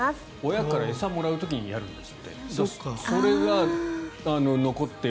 親から餌をもらう時にやるんですって。